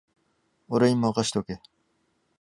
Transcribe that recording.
俺にまかせとけ